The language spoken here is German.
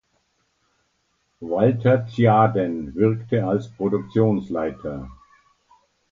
Walter Tjaden wirkte als Produktionsleiter.